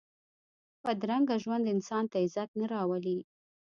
بدرنګه ژوند انسان ته عزت نه راولي